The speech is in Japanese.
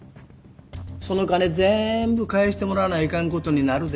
その金ぜんぶ返してもらわないかんことになるで。